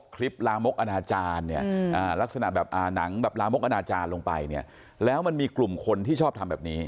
ลามกอนาจารย์เนี่ยลักษณะแบบหนังแบบลามกอนาจารย์ลงไปเนี่ยแล้วมันมีกลุ่มคนที่ชอบทำแบบนี้